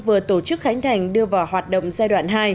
vừa tổ chức khánh thành đưa vào hoạt động giai đoạn hai